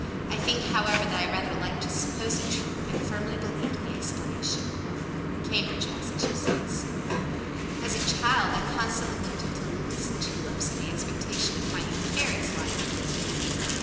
I think, however, that I rather liked to suppose it true and firmly believed in the explanation." Cambridge, Mass. 83. "As a child, I constantly looked into lilies and tulips in the expectation of finding fairies lying within them."